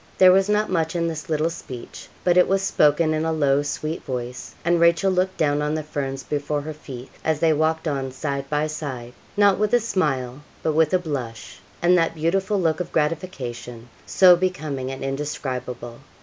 There was not much in this little speech, but it was spoken in a low, sweet voice; and Rachel looked down on the ferns before her feet, as they walked on side by side, not with a smile, but with a blush, and that beautiful look of gratification so becoming and indescribable.